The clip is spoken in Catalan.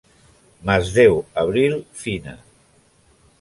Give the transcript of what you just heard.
Masdéu Abril, Fina.